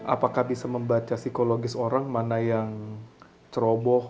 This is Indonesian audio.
apakah bisa membaca psikologis orang mana yang ceroboh